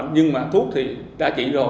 nhưng mà thuốc thì đã chỉ rồi